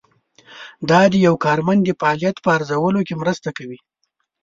دا د یو کارمند د فعالیت په ارزولو کې مرسته کوي.